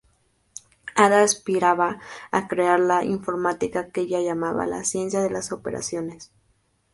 Ada aspiraba a crear la informática, que ella llamaba la ciencia de las operaciones.